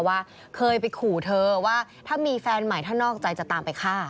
ว่าเคยไปขู่เธอว่าถ้ามีแฟนใหม่ถ้านอกใจจะตามไปฆ่า